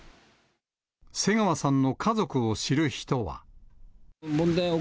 瀬川さんの家族を知る人は。